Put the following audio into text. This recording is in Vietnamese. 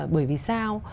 bởi vì sao